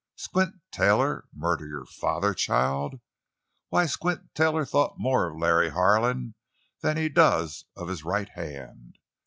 "Squint Taylor murder your father, child! Why, Squint Taylor thought more of Larry Harlan than he does of his right hand.